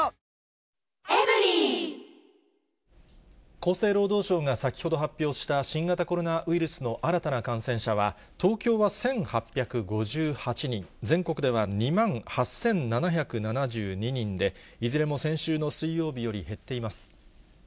厚生労働省が先ほど発表した新型コロナウイルスの新たな感染者は、東京は１８５８人、全国では２万８７７２人で、いずれも先週の水曜日より減っています。